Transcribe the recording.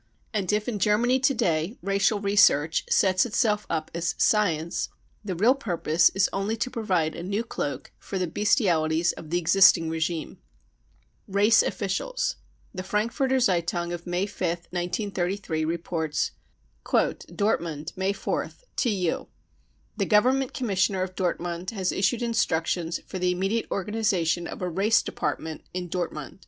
55 And if in Germany to day " racial research 55 sets itself up as " science, 55 the real purpose is only to provide a new cloak for the bestialities of the existing regime. ce Race Officials." The Frankfurter /feitung of May 5th, *933> reports :" Dortmund, May 4th. (TU). The Government Commis sioner of Dortmund has issued instructions for the immediate organisation of a Race Department in Dort mund.